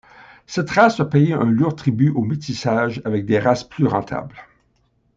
Cette race a payé un lourd tribut au métissage avec des races plus rentables.